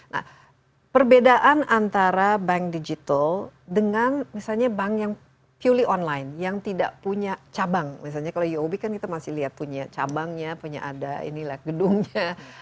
nah perbedaan antara bank digital dengan misalnya bank yang pulih online yang tidak punya cabang misalnya kalau uob kan kita masih lihat punya cabangnya punya ada inilah gedungnya